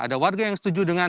ada warga yang setuju dengan